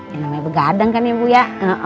yang namanya begadang kan ya bu ya